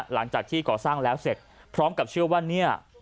หลังจากที่ก่อสร้างแล้วเสร็จพร้อมกับเชื่อว่าเนี่ย